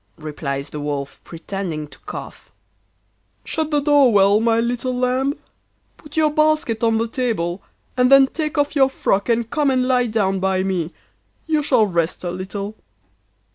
replies the Wolf, pretending to cough. 'Shut the door well, my little lamb. Put your basket on the table, and then take off your frock and come and lie down by me: you shall rest a little.